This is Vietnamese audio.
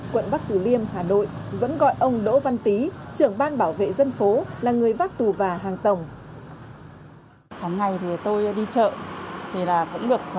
quận bắc tử liêm hà nội vẫn gọi ông đỗ văn tý trưởng ban bảo vệ dân phố là người vác tù và hàng tổng